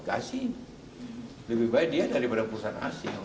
kasih lebih baik dia daripada perusahaan asing